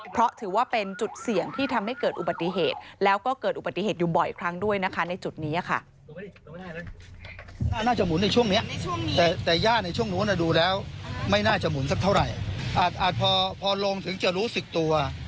เพราะถือว่าเป็นจุดเสี่ยงที่ทำให้เกิดอุบัติเหตุแล้วก็เกิดอุบัติเหตุอยู่บ่อยครั้งด้วยนะคะในจุดนี้ค่ะ